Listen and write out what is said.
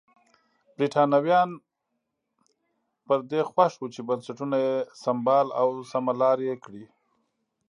برېټانویان پر دې خوښ وو چې بنسټونه یې سمبال او سمه لار یې کړي.